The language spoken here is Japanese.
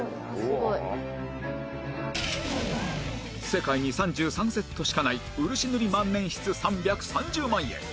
世界に３３セットしかない漆塗り万年筆３３０万円